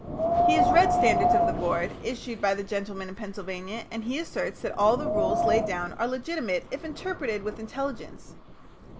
He has read "Standards of the Board," issued by the gentlemen in Pennsylvania, and he asserts that all the rules laid down are legitimate if interpreted with intelligence.